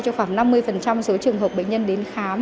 cho khoảng năm mươi số trường hợp bệnh nhân đến khám